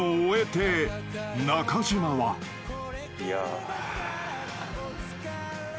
いや。